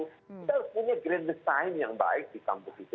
kita harus punya grand design yang baik di kampus itu